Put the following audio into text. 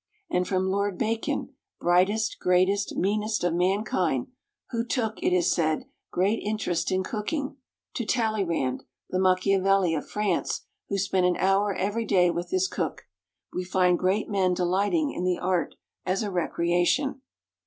And from Lord Bacon, "brightest, greatest, meanest of mankind," who took, it is said, great interest in cooking, to Talleyrand, the Machiavelli of France, who spent an hour every day with his cook, we find great men delighting in the art as a recreation.